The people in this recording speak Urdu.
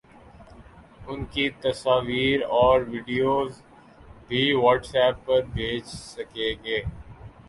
اُن کی تصاویر اور ویڈیوز بھی واٹس ایپ پر بھیج سکیں گے